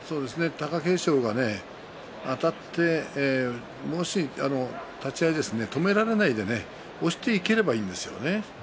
貴景勝があたって立ち合い止められないで押していければいいんですよね。